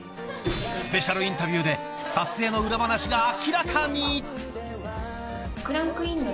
スペシャルインタビューで撮影の裏話が明らかに！